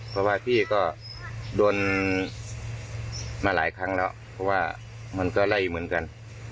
เพราะว่าพี่ก็โดนมาหลายครั้งแล้วเพราะว่ามันก็ไล่เหมือนกัน